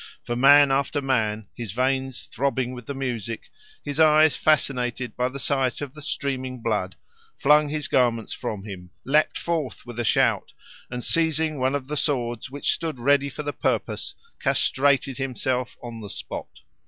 For man after man, his veins throbbing with the music, his eyes fascinated by the sight of the streaming blood, flung his garments from him, leaped forth with a shout, and seizing one of the swords which stood ready for the purpose, castrated himself on the spot.